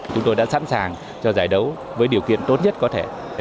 chúng tôi đã sẵn sàng cho giải đấu với điều kiện tốt nhất có thể